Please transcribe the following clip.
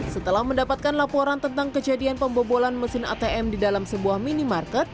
setelah mendapatkan laporan tentang kejadian pembobolan mesin atm di dalam sebuah minimarket